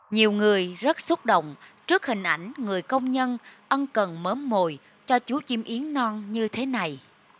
nhiều người rất xúc động trước hình ảnh người công nhân ân cần mớm mồi cho chú chim yến non như thế này